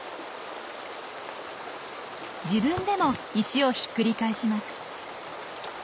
自分でも石をひっくり返します。